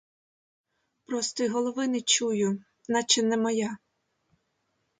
Просто й голови не чую, наче не моя.